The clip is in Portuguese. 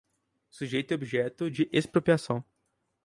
Sujeitos e objeto de expropriação.